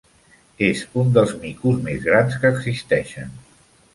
És un dels micos més grans que existeixen.